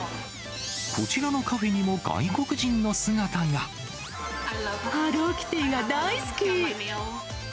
こちらのカフェにも外国人のハローキティが大好き。